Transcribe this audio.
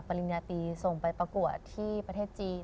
ปริญญาตีส่งไปประกวดที่ประเทศจีน